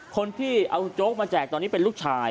คนที่เอาโจ๊กมาแจกตอนนี้เป็นลูกชาย